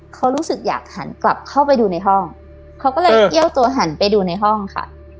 เขารู้สึกอยากหันกลับเข้าไปดูในห้องเขาก็เลยเอี้ยวตัวหันไปดูในห้องค่ะ